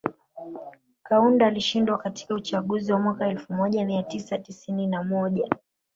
Kaunda alishindwa katika uchaguzi wa mwaka elfu moja mia tisa tisini na moja